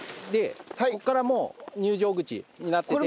ここからもう入場口になってて。